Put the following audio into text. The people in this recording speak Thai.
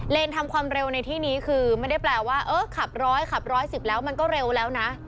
ทำความเร็วในที่นี้คือไม่ได้แปลว่าเออขับร้อยขับ๑๑๐แล้วมันก็เร็วแล้วนะ